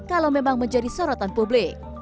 kalau memang menjadi sorotan publik